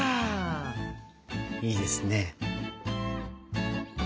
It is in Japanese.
いいですね！